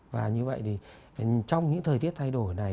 và như vậy thì trong những thời tiết thay đổi này